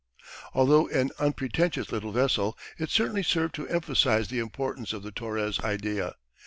Although an unpretentious little vessel, it certainly served to emphasise the importance of the Torres idea.